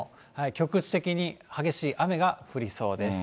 局地的に激しい雨が降りそうです。